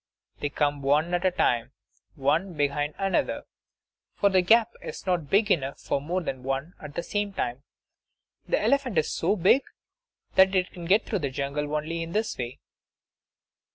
They come one at a time, one behind another; for the gap is not big enough for more than one at the same time. The elephant is so big that it can get through the jungle only in this way.